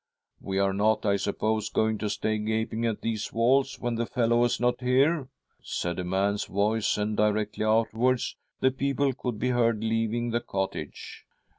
'We are not, I suppose, going to stay gaping at these walls when the fellow is not here,' said a man's voice, and directly afterwards the people could be heard leaving the cottage.